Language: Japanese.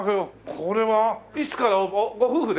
これはいつからご夫婦で？